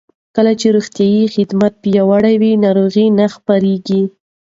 کله چې روغتیايي خدمات پیاوړي وي، ناروغۍ نه خپرېږي.